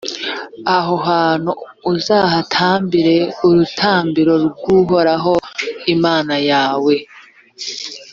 aho hantu uzahubake urutambiro rw’uhoraho imana yawe,